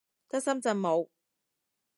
得深圳冇